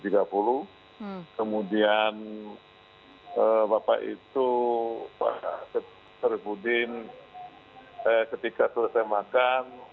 kemudian bapak itu pak sarifudin ketika selesai makan